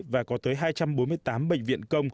và có tới hai trăm bốn mươi tám bệnh viện công